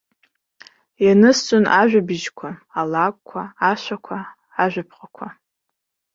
Ианысҵон ажәабжьқәа, алакәқәа, ашәақәа, ажәаԥҟақәа.